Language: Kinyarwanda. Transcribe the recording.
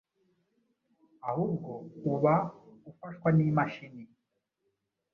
ahubwo uba ufashwa n’imashini